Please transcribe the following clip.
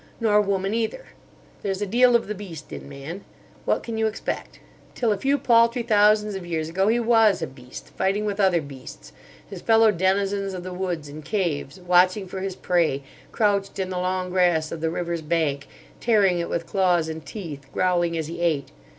Nor woman either. There's a deal of the beast in man. What can you expect? Till a few paltry thousands of years ago he was a beast, fighting with other beasts, his fellow denizens of the woods and caves; watching for his prey, crouched in the long grass of the river's bank, tearing it with claws and teeth, growling as he ate.